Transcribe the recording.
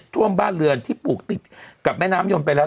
ท่วมบ้านเรือนที่ปลูกติดกับแม่น้ำยมไปแล้ว